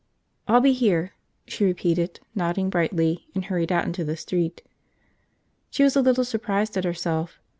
"I'll be here," she repeated, nodding brightly, and hurried out into the street. She was a little surprised at herself.